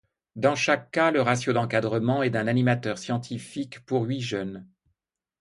Dans chaque cas, le ratio d'encadrement est d’un animateur scientifique pour huit jeunes.